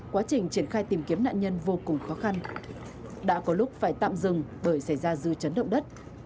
quá trình triển khai tìm kiếm nạn nhân vô cùng khó khăn đã có lúc phải tạm dừng bởi xảy ra dư chấn động đất